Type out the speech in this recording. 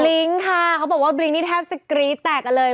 ลิ้งค่ะเขาบอกว่าบลิ้งนี่แทบจะกรี๊ดแตกกันเลย